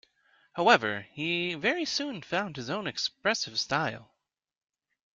However, he very soon found his own expressive style.